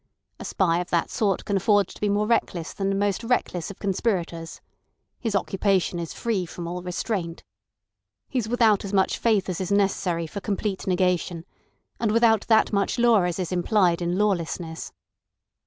A spy of that sort can afford to be more reckless than the most reckless of conspirators. His occupation is free from all restraint. He's without as much faith as is necessary for complete negation, and without that much law as is implied in lawlessness.